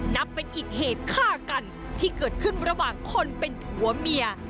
นับเป็นอีกเหตุฆ่ากันที่เกิดขึ้นระหว่างคนเป็นผัวเมีย